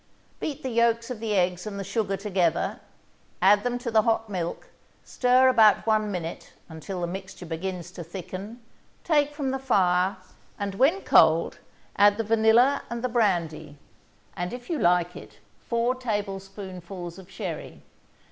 Beat the yolks of the eggs and the sugar together, add them to the hot milk, stir about one minute until the mixture begins to thicken, take from the fire, and, when cold, add the vanilla and the brandy, and, if you like it, four tablespoonfuls of sherry.